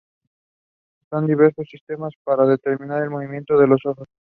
Existen diversos sistemas para determinar el movimiento de los ojos.